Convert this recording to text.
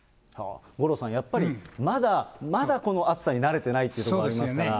五郎さん、やっぱりまだ、まだこの暑さに慣れてないところがありますから。